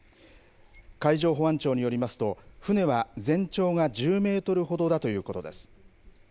海上保安庁によりますと、船は全長が１０メートルほどだということです。